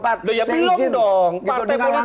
partai politik belom dong